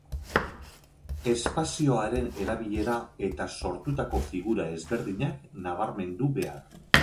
Espazioaren erabilera eta sortutako figura ezberdinak nabarmendu behar.